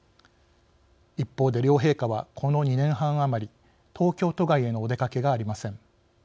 一方で、両陛下はこの２年半余り東京都外へのお出かけがありません。